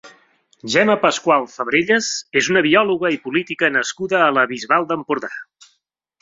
Gemma Pascual Fabrellas és una biòloga i política nascuda a la Bisbal d'Empordà.